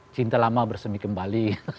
cinta lama bersemi kembali